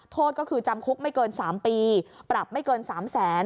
โทษก็คือจำคุกไม่เกิน๓ปีปรับไม่เกิน๓แสน